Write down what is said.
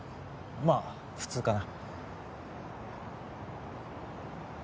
まあ普通かな。